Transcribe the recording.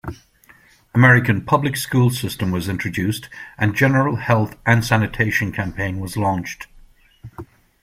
American public school system was introduced and general health and sanitation campaign was launched.